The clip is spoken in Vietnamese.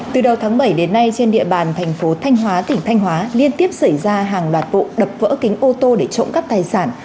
từ đầu tháng bảy đến nay trên địa bàn thành phố thanh hóa tỉnh thanh hóa liên tiếp xảy ra hàng loạt vụ đập vỡ kính ô tô để trộm cắp tài sản